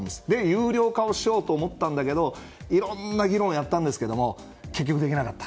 有料化しようと思ったんですがいろんな議論をやったんですが結局、できなかった。